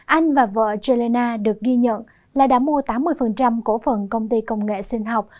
anh và vợ gellena được ghi nhận là đã mua tám mươi cổ phần công ty công nghệ sinh học